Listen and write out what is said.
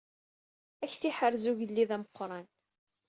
Ad ak-t-iḥrez ugellid ameqqran.